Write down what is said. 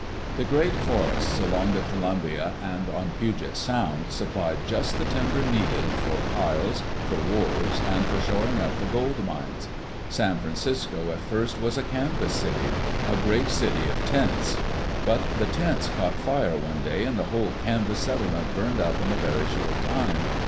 The great forests along Oregon City In 1845. From ft sketch by Henry J. Wftrre and M. VftTMOor. the Columbia and on Puget Sound supplied just the timber needed for piles, for wharves, and for shoring up the gold mines. San Francisco at first was a canvas city — a great city of tents. But the tents caught fire one day and the whole canvas settlement burned up in a very short time.